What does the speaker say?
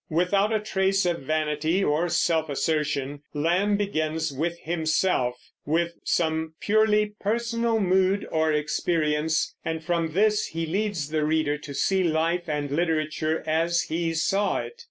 Without a trace of vanity or self assertion, Lamb begins with himself, with some purely personal mood or experience, and from this he leads the reader to see life and literature as he saw it.